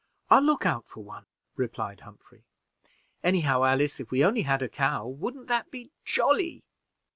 "I'll look out for one," replied Humphrey, "any how. Alice, if we only had a cow, wouldn't that be jolly?"